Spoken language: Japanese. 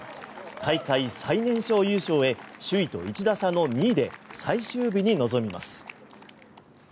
大会最年少優勝へ首位と１打差の２位で最終日に臨みます。